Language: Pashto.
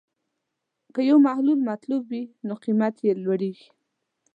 که یو محصول مطلوب وي، نو قیمت یې لوړېږي.